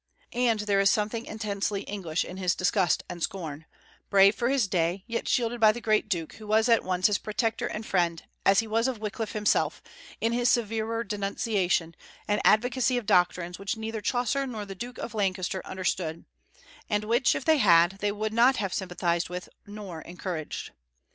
And there is something intensely English in his disgust and scorn, brave for his day, yet shielded by the great duke who was at once his protector and friend, as he was of Wyclif himself, in his severer denunciation, and advocacy of doctrines which neither Chaucer nor the Duke of Lancaster understood, and which, if they had, they would not have sympathized with nor encouraged.